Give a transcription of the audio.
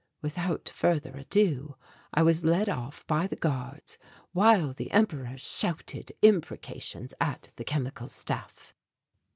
Without further ado I was led off by the guards, while the Emperor shouted imprecations at the Chemical Staff.